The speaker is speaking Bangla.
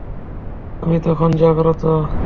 আমি তখন জাগ্রত।